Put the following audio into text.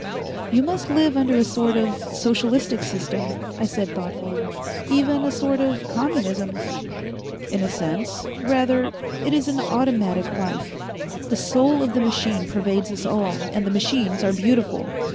"You must live under a sort of socialistic system," I said thoughtfully. "Even a sort of communism?" "In a sense. Rather it is an automatic life. The soul of the machine pervades us all, and the machines are beautiful.